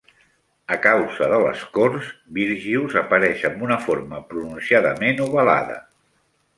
A causa de l'escorç, Byrgius apareix amb una forma pronunciadament ovalada.